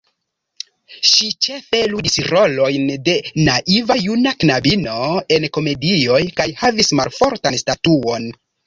Ŝi ĉefe ludis rolojn de naiva juna knabino en komedioj kaj havis malfortan statuon.